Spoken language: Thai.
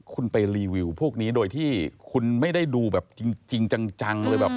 คุณไปรีวิวพวกนี้โดยที่คุณไม่ได้ดูแบบจริงจังเลยแบบ